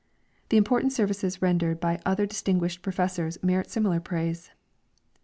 The important services rendered l:>y other distin guished professors merit siuiilar praise.